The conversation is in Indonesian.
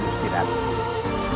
gusti ratu subanglarang